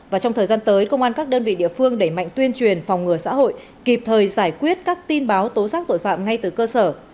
và trong thời gian tới công an các đơn vị địa phương đẩy mạnh tuyên truyền phòng ngừa xã hội kịp thời giải quyết các tin báo tố giác tội phạm ngay từ cơ sở